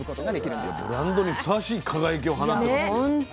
ブランドにふさわしい輝きを放ってますよ。